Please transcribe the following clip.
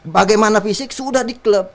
bagaimana fisik sudah di klub